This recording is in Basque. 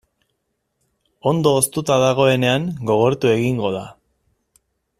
Ondo hoztuta dagoenean gogortu egingo da.